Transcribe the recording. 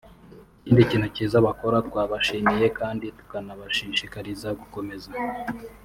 Ikindi kintu cyiza bakora twabashimiye kandi tunabashishikariza gukomeza